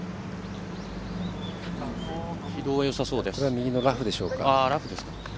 右のラフでしょうか。